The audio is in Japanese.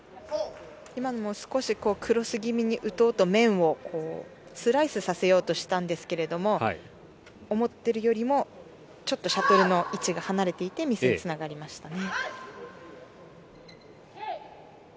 今のも少しクロス気味に打とうと面をスライスさせようとしたんですけども思っているよりもシャトルの位置が離れていてミスにつながりましたね。